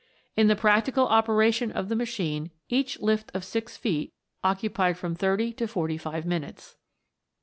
In the practical operation of the machine each lift of six feet occupied from thirty to forty five minutes.